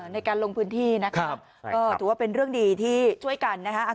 ในการลงพื้นที่นะครับก็ถือว่าเป็นเรื่องดีที่ช่วยกันนะฮะ